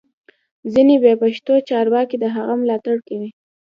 ځینې بې پښتو چارواکي د هغه ملاتړ کوي